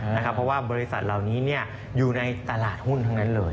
เพราะว่าบริษัทเหล่านี้อยู่ในตลาดหุ้นทั้งนั้นเลย